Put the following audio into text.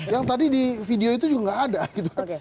yang tadi di video itu juga nggak ada gitu kan